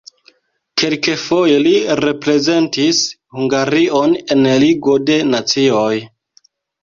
Kelkfoje li reprezentis Hungarion en Ligo de Nacioj.